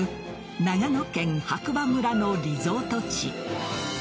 長野県白馬村のリゾート地。